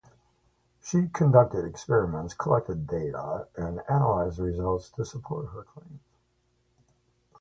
She conducted experiments, collected data, and analyzed the results to support her claims.